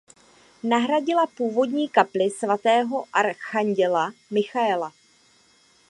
Nahradila původní "kapli svatého archanděla Michaela".